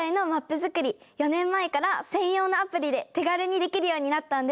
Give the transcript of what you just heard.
４年前から専用のアプリで手軽にできるようになったんです。